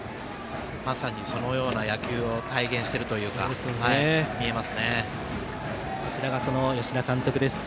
まさにそのような野球を体現しているというか見えますね。